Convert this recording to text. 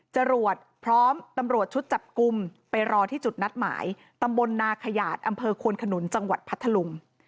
จรวดพร้อมตำรวจชุดจับกลุ่มไปรอที่จุดนัดหมายตำบลนาขยาดอำเภอควนขนุนจังหวัดพัทธลุง